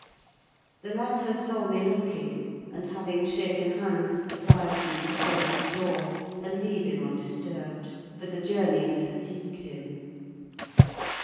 The latter saw me looking; and having shaken hands, advised me to close the door, and leave him undisturbed; for the journey had fatigued him.